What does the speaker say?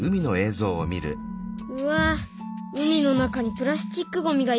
うわ海の中にプラスチックゴミがいっぱい。